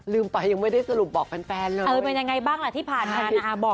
ไปยังไม่ได้สรุปบอกแฟนเลยเออเป็นยังไงบ้างล่ะที่ผ่านมา